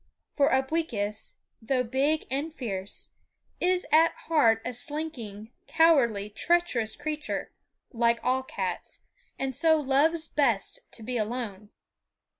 For Upweekis, though big and fierce, is at heart a slinking, cowardly, treacherous creature like all cats and so loves best to be alone.